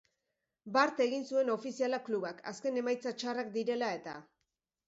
Bart egin zuen ofiziala klubak azken emaitza txarrak direla eta.